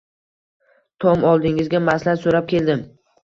Tom, oldingizga maslahat so`rab keldim